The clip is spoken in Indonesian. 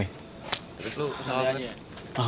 terus lo kesalahannya